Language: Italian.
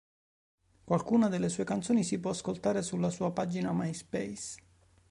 Qualcuna delle sue canzoni si può ascoltare sulla sua pagina di MySpace.